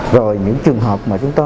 rồi những trường hợp mà chúng tôi